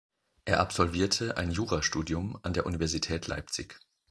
Er absolvierte ein Jurastudium an der Universität Leipzig.